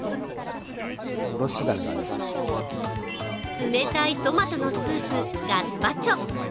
冷たいトマトのスープガスパチョ。